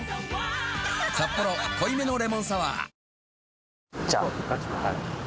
「サッポロ濃いめのレモンサワー」